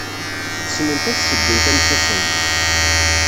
Ssnent ad sseddunt amsasay.